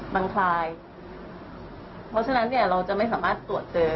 มันคลายเพราะฉะนั้นเนี่ยเราจะไม่สามารถตรวจเจอ